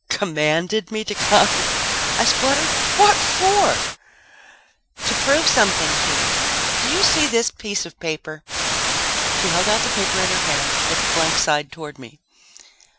"Commanded me to come!" I spluttered. "What for?" "To prove something to you. Do you see this piece of paper?" She held out the paper in her hand with the blank side toward me.